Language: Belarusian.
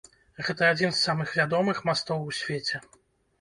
Гэта адзін з самых вядомых мастоў у свеце.